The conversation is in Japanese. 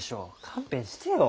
勘弁してよ。